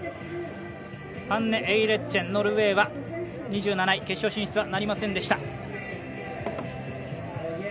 ハンネ・エイレッチェンノルウェーは２７位、決勝進出はなりませんでした。